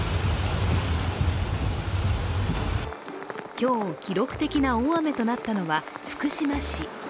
今日、記録的な大雨となったのは福島市。